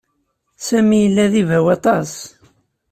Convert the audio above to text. Sami yella d ibaw aṭas.